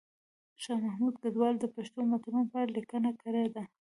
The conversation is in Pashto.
شاه محمود کډوال د پښتو متلونو په اړه لیکنه کړې ده